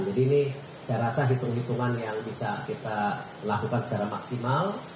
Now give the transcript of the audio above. jadi ini saya rasa hitung hitungan yang bisa kita lakukan secara maksimal